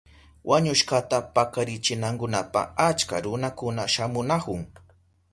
Wañushkata pakarichinankunapa achka runakuna shamunahun.